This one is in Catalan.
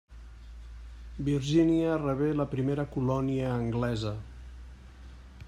Virgínia rebé la primera colònia anglesa.